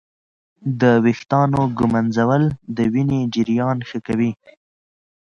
د ویښتانو ږمنځول د وینې جریان ښه کوي.